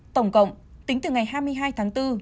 tổng cộng tính từ ngày hai mươi hai tháng bốn